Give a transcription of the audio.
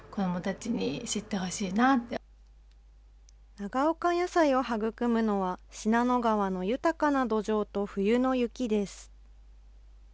長岡野菜を育むのは、信濃川の豊かな土壌と冬の雪です。